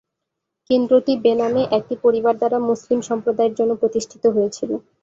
কেন্দ্রটি বেনামে একটি পরিবার দ্বারা মুসলিম সম্প্রদায়ের জন্য প্রতিষ্ঠিত হয়েছিল।